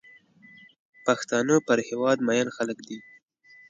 پښتانه پر هېواد مین خلک دي.